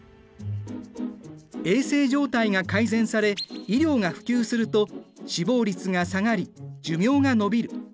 衛生状態が改善され医療が普及すると死亡率が下がり寿命が伸びる。